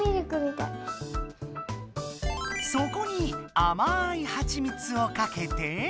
そこにあまいはちみつをかけて。